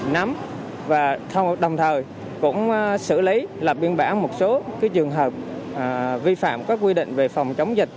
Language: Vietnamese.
nắm và đồng thời cũng xử lý lập biên bản một số trường hợp vi phạm các quy định về phòng chống dịch